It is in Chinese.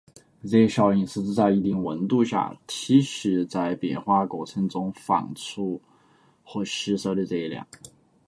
热效应是指在一定温度下，体系在变化过程中放出或吸收的热量。